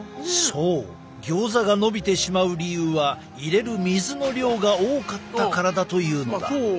そうギョーザがのびてしまう理由は入れる水の量が多かったからだというのだ。